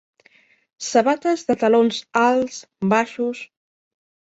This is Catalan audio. Sabates de talons alts, baixos.